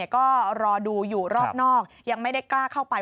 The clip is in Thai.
ก็รอดูอยู่รอบนอกยังไม่ได้กล้าเข้าไป